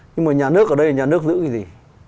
nhưng mà nhà nước ở đây nhà nước giữ cái gì